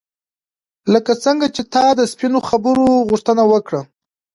لکه څنګه چې تا د سپینو خبرو غوښتنه وکړه.